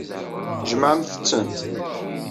Jemɛemt-tent.